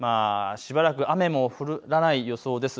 しばらく雨も降らない予想です。